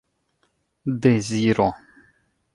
deziro